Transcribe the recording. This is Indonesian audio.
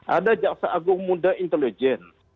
ada jaksa agung muda intelijen